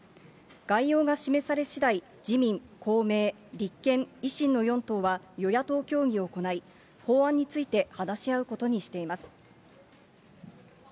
概要が示されしだい、自民、公明、立憲、維新の４党は与野党協議を行い、法案について話し合うことにしています。